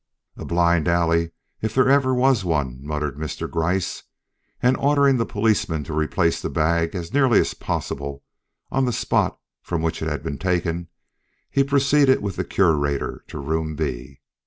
"A blind alley, if ever there was one," muttered Mr. Gryce; and ordering the policeman to replace the bag as nearly as possible on the spot from which it had been taken, he proceeded with the Curator to Room B.